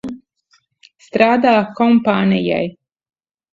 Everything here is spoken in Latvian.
Strādā kompānijai.